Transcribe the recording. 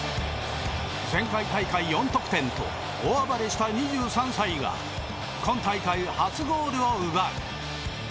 前回大会４得点と大暴れした２３歳が今大会、初ゴールを奪う。